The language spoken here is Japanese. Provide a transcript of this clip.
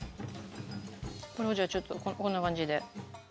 これをじゃあちょっとこんな感じで。